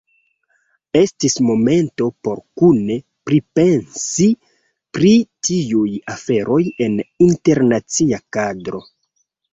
Estis momento por kune pripensi pri tiuj aferoj en internacia kadro.